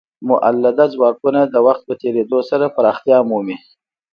مؤلده ځواکونه د وخت په تیریدو سره پراختیا مومي.